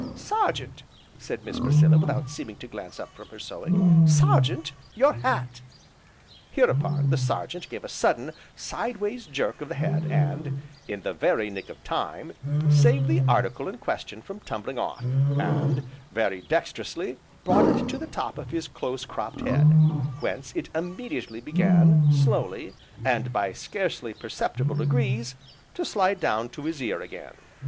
"Sergeant," said Miss Priscilla, without seeming to glance up from her sewing, "Sergeant, your hat!" Hereupon, the Sergeant gave a sudden, sideways jerk of the head, and, in the very nick of time, saved the article in question from tumbling off, and very dexterously brought it to the top of his close cropped head, whence it immediately began, slowly, and by scarcely perceptible degrees to slide down to his ear again.